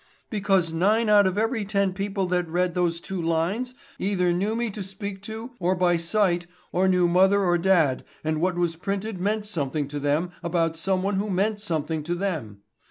"Because nine out of every ten people that read those two lines either know me to speak to or by sight or knew mother or dad and what was printed meant something to them about someone who meant something to them.